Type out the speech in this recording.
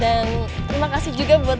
dan terima kasih juga buat